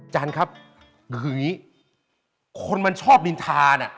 จานครับอย่างนี้คนมันชอบลินทานะ